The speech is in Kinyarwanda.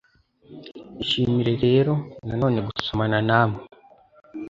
Ishimire rero noneho gusomana namwe